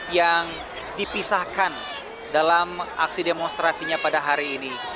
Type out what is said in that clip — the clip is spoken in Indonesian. yang dipisahkan dalam aksi demonstrasinya pada hari ini